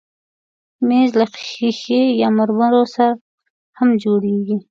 مېز له ښیښې یا مرمرو سره هم جوړېږي.